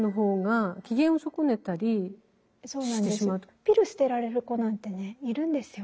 ピル捨てられる子なんてねいるんですよ